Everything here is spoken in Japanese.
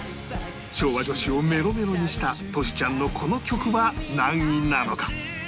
昭和女子をメロメロにしたトシちゃんのこの曲は何位なのか？